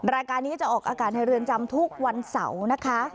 รายการนี้จะออกอากาศในเรือนจำทุกวันเสาร์นะคะ